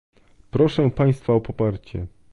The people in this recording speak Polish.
Proszę Państwa o poparcie